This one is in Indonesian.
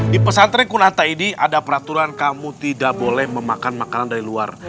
di pesantren kunata ini ada peraturan kamu tidak boleh memakan makanan dari luar